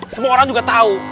semua orang juga tahu